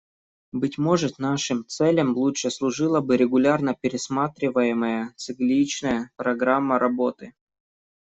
Быть может, нашим целям лучше служила бы регулярно пересматриваемая цикличная программа работы.